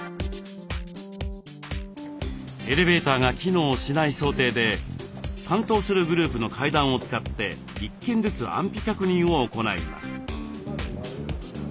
エレベーターが機能しない想定で担当するグループの階段を使って１軒ずつ安否確認を行います。